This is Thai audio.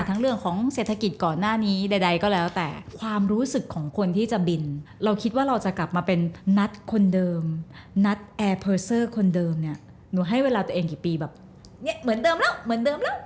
เรื่องของเศรษฐกิจก่อนหน้านี้ใดก็แล้วแต่ความรู้สึกของคนที่จะบินเราคิดว่าเราจะกลับมาเป็นนัดคนเดิมนัดแอร์เพอร์เซอร์คนเดิมเนี่ยหนูให้เวลาตัวเองกี่ปีแบบเนี่ยเหมือนเดิมแล้วเหมือนเดิมแล้ว